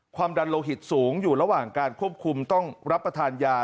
ความดันโลหิตสูงอยู่ระหว่างการควบคุมต้องรับประทานยา